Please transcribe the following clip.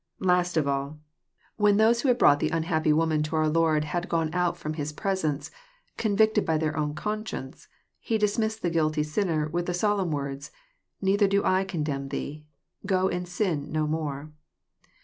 Last of all, when those who had brought the unhappy JOHN, CHAP. vm. 63 woman to our Lord had gone out from His presence, " con victed by their own conscience," He dismissed the guilty sinner with the solemn words, "Neither do I condemn thee : go and sin no more."